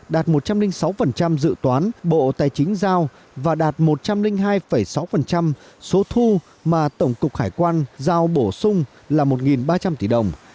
đạt một trăm linh sáu dự toán bộ tài chính giao và đạt một trăm linh hai sáu số thu mà tổng cục hải quan giao bổ sung là một ba trăm linh tỷ đồng